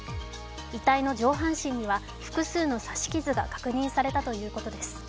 遺体の上半身には複数の刺し傷が確認されたということです。